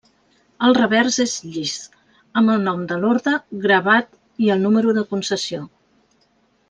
El revers és llis, amb el nom de l'orde gravat i el número de concessió.